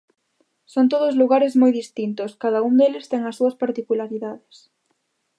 Son todos lugares moi distintos, cada un deles ten as súas particularidades.